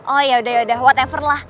oh yaudah yaudah whatever lah